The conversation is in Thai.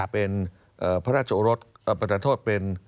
เป็นพระราชโรศร์ปฏิโทษเป็น